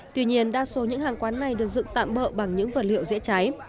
tuy nhiên đa số những hàng quán này được dựng tạm bỡ bằng những vật liệu dễ cháy